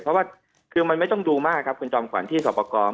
เพราะว่าคือมันไม่ต้องดูมากครับคุณจอมขวัญที่สอบประกอบ